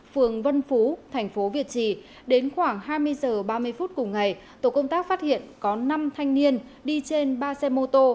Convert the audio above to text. phường vân phú thành phố việt trì đến khoảng hai mươi h ba mươi phút cùng ngày tổ công tác phát hiện có năm thanh niên đi trên ba xe mô tô